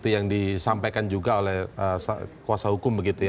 yang disampaikan juga oleh kuasa hukum